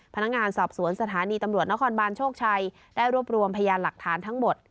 พนักงานสอบสวนสถานีตำรวจนครบานโชคชัยได้รวบรวมพยานหลักฐานทั้งหมด